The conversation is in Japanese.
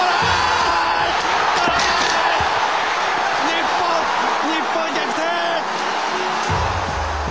日本日本逆転！